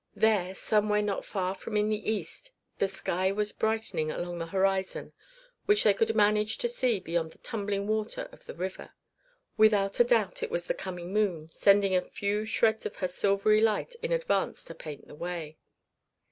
There, somewhere not far from in the east the sky was brightening along the horizon which they could manage to see beyond the tumbling water of the river. Without a doubt it was the coming moon, sending a few shreds of her silvery light in advance to paint the way.